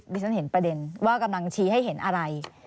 ฉันเห็นประเด็นว่ากำลังชี้ให้เห็นอะไร